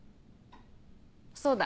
そうだ！